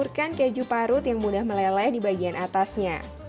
telur datang ke stinks meltedbly